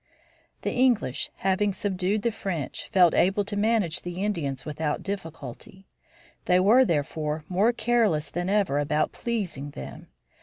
The English, having subdued the French, felt able to manage the Indians without difficulty. They were, therefore, more careless than ever about pleasing them.